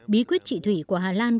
bí quyết trị thủy của hà lan